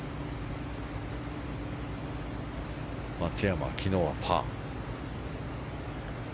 松山は昨日はパー。